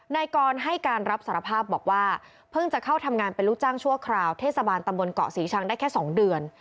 นายกรให้การรับสารภาพบอกว่าเพิ่งจะเข้าทำงานเป็นลูกจ้างชั่วคราวเทศบาลตำบลเกาะศรีชังได้แค่๒เดือน